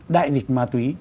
đại dịch ma túy